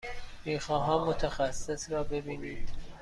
می خواهم متخصص را ببینید.